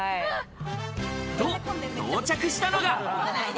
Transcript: と、到着したのが。